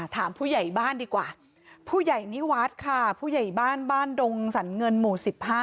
ถามผู้ใหญ่บ้านดีกว่าผู้ใหญ่นิวัฒน์ค่ะผู้ใหญ่บ้านบ้านดงสรรเงินหมู่๑๕